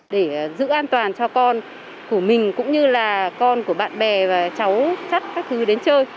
để giữ an toàn cho con của mình cũng như là con của bạn bè và cháu chắt các thứ đến chơi